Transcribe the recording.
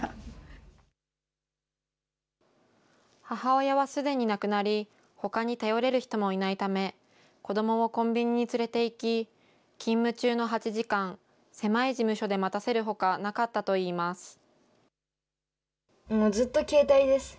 母親はすでに亡くなり、ほかに頼れる人もいないため、子どもをコンビニに連れていき、勤務中の８時間、狭い事務所で待たせるほかなかったといいます。